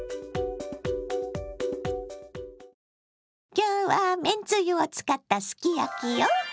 今日はめんつゆを使ったすき焼きよ！